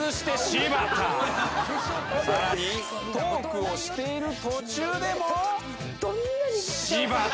さらにトークをしている途中でも柴田。